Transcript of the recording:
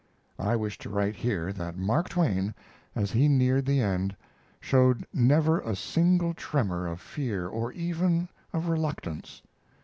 I wish to write here that Mark Twain, as he neared the end, showed never a single tremor of fear or even of reluctance.